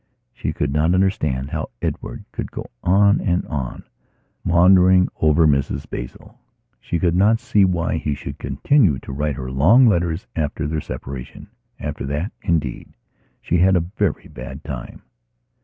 She could not understand how Edward could go on and on maundering over Mrs Basil. She could not see why he should continue to write her long letters after their separation. After that, indeed, she had a very bad time.